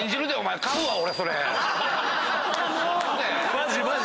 マジマジ！